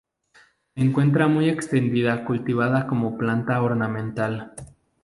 Se encuentra muy extendida cultivada como planta ornamental.